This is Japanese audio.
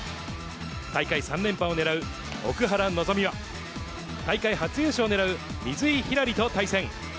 大会３連覇を狙う奥原希望は、大会初優勝を狙う水井ひらりと対戦。